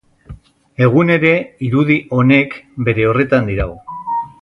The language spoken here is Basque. Egun ere irudi honek bere horretan dirau.